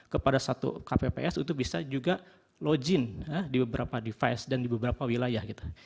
kepada satu kpps untuk bisa juga login di beberapa device dan di beberapa wilayah gitu